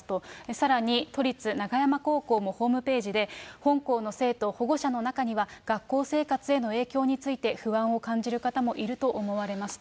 さらに、都立永山高校もホームページで本校の生徒、保護者の中には、学校生活への影響について不安を感じる方もいると思われますと。